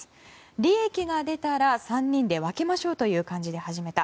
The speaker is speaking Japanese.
利益が出たら３人で分けましょうという感じで始めた。